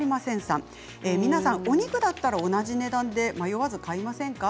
皆さんお肉だったら同じ値段で迷わず買いませんか。